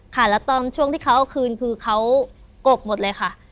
ค่ะแล้วตอนช่วงที่เขาเอาคืนคือเขากบหมดเลยค่ะ